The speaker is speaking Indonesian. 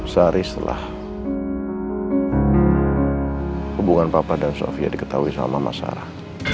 sehari setelah hubungan papa dan sofia diketahui sama mas sarah